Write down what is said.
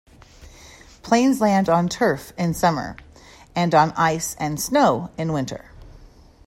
Planes land on turf in summer and on ice and snow in winter.